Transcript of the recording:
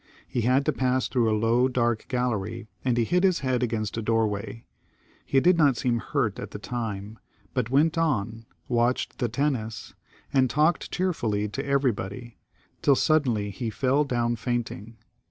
He had to pass through a low, dark gaUery, and he hit his head against a doorway. He did not seem hurt at the time, but went on, watched the tennis, and talked cheerfully to everybody, tiU suddenly he fell down fainting.